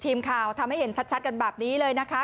ทำให้เห็นชัดกันแบบนี้เลยนะคะ